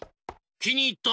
きにいった！